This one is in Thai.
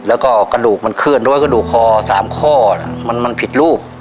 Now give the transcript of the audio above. แล้วก็กระดูกมันเคลื่อนด้วยกระดูกคอ๓ข้อมันผิดรูป